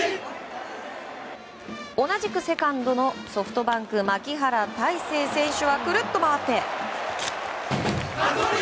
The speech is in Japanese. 同じくセカンドのソフトバンク、牧原大成選手はくるっと回って。